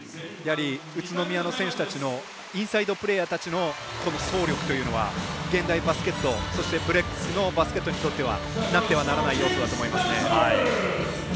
宇都宮の選手たちのインサイドプレーヤーたちのこの走力というのは現代バスケットブレックスのバスケットにとってなくてはならない要素だと思いますね。